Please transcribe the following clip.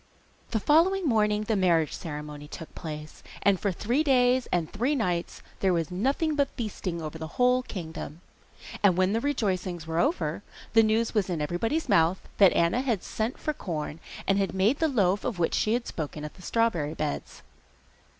The following morning the marriage ceremony took place, and for three days and three nights there was nothing but feasting over the whole kingdom. And when the rejoicings were over the news was in everybody's mouth that Anna had sent for corn, and had made the loaf of which she had spoken at the strawberry beds.